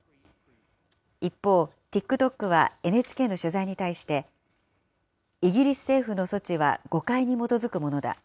一方、ＴｉｋＴｏｋはＮＨＫの取材に対して、イギリス政府の措置は誤解に基づくものだ。